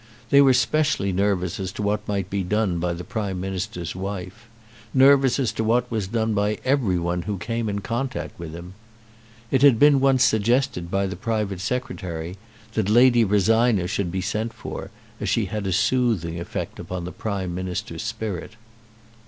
They were specially nervous as to what might be done by the Prime Minister's wife, nervous as to what was done by every one who came in contact with him. It had been once suggested by the private Secretary that Lady Rosina should be sent for, as she had a soothing effect upon the Prime Minister's spirit.